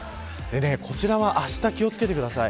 こちらはあした気を付けてください。